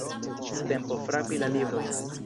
Tempo frapi la librojn!